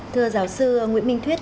thưa giáo sư nguyễn minh thuyết